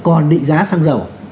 còn định giá sang dầu